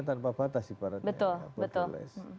tanpa batas ibaratnya betul